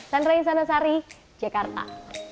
sandra insanasari jakarta